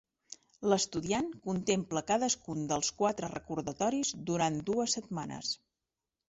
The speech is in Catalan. L'estudiant contempla cadascun dels quatre recordatoris durant dues setmanes.